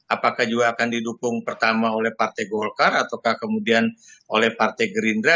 apakah juga akan didukung pertama oleh partai golkar atau kemudian oleh partai gerindra